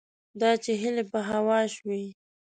دا چې هیلې په هوا شوې